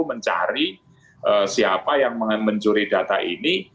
mencari siapa yang mencuri data ini